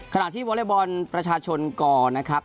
ขณะที่วอเล็กบอลประชาชนก่อนะครับ